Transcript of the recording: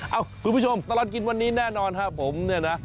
คุณผู้ชมตลอดกินวันนี้แน่นอนครับผมเนี่ยนะ